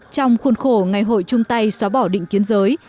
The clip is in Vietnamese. trong khuôn khổ ngày hội trung tây xóa bỏ định kiến giới